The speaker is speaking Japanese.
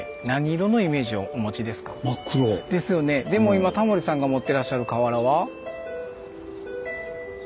でも今タモリさんが持ってらっしゃる瓦は？